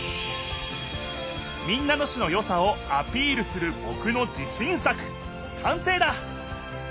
民奈野市のよさをアピールするぼくの自しん作かんせいだ！